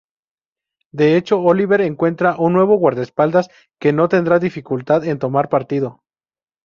De hecho, Oliver encuentra un nuevo guardaespaldas, que no tendrá dificultad en tomar partido.